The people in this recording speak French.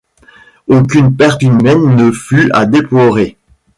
Aucune perte humaine ne fut à déplorer.